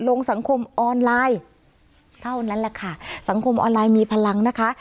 ลงสังคมออนไลน์เท่านั้นแหละค่ะสังคมออนไลน์มีพลังนะคะ